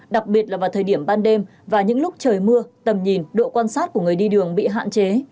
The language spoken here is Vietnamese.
đặc biệt là vào thời điểm ban đêm và những lúc trời mưa tầm nhìn độ quan sát của người đi đường bị hạn chế